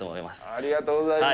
ありがとうございます。